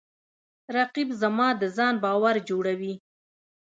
رقیب زما د ځان باور جوړوي